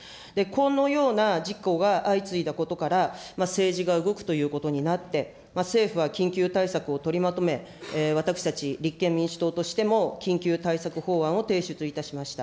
このような事故が相次いだことから、政治が動くということになって、政府は緊急対策を取りまとめ、私たち立憲民主党としても、緊急対策法案を提出いたしました。